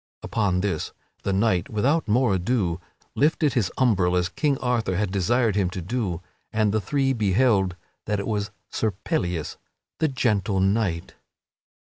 Upon this the knight without more ado lifted his umbril as King Arthur had desired him to do and the three beheld that it was Sir Pellias, the Gentle Knight.